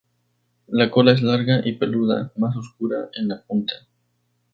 La cola es larga y peluda, más oscura en la punta.